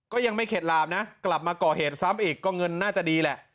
ก็ยังไม่เข็ดหลาบนะกลับมาก่อเหตุซ้ำอีกก็เงินน่าจะดีแหละ